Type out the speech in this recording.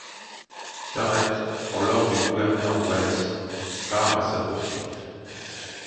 Garrett, sur l'ordre du gouverneur Wallace, part à sa poursuite.